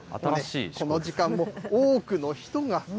この時間も多くの人が。